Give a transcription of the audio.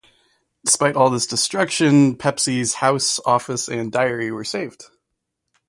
Despite all this destruction, Pepys's house, office, and diary were saved.